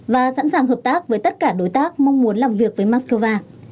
và sẵn sàng hợp tác với tất cả đối tác mong muốn làm việc với moscow